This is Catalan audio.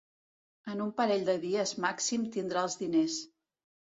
En un parell de dies màxim tindrà els diners.